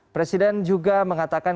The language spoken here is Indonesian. presiden juga mengatakan